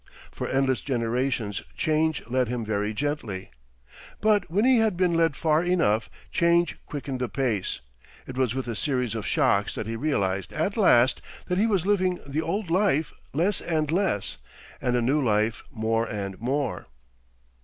For endless generations change led him very gently. But when he had been led far enough, change quickened the pace. It was with a series of shocks that he realised at last that he was living the old life less and less and a new life more and more.